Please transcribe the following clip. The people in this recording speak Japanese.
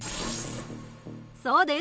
そうです。